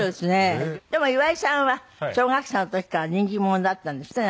でも岩井さんは小学生の時から人気者だったんですって？